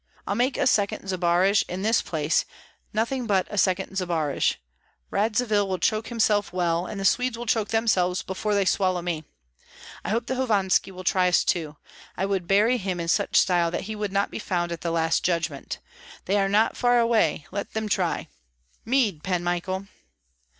I'll make a second Zbaraj in this place, nothing but a second Zbaraj! Radzivill will choke himself well; and the Swedes will choke themselves before they swallow me. I hope that Hovanski will try us too; I would bury him in such style that he would not be found at the last judgment. They are not far away, let them try! Mead, Pan Michael!"